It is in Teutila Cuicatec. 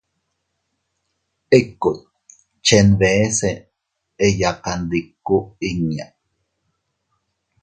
Ikut chenbese eyakandiku inña.